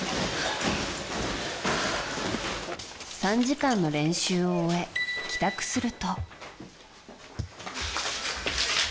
３時間の練習を終え帰宅すると。